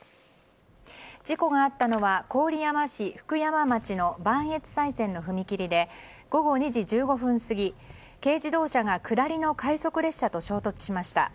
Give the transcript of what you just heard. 事故があったのは郡山市富久山町の磐越西線の踏切で午後２時１５分過ぎ軽自動車が下りの快速列車と衝突しました。